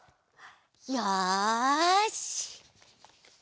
よし！